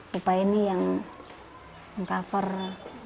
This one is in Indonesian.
bupani yang mengawasi